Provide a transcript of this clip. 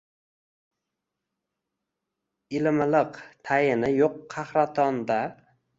Ilimiliq, tayini yoʼq qahraton-da.